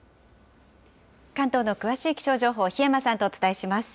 関東の詳しい気象情報、檜山さんとお伝えします。